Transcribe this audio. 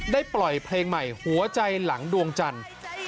ปล่อยเพลงใหม่หัวใจหลังดวงจันทร์